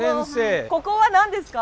ここは何ですか？